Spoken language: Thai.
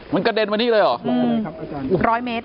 มันกระเดนมานี่เลยเหรอ